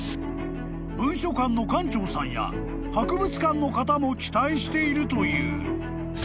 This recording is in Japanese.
［文書館の館長さんや博物館の方も期待しているという］